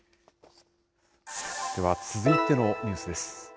では続いてのニュースです。